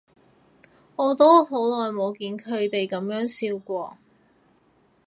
我都好耐冇見佢噉樣笑過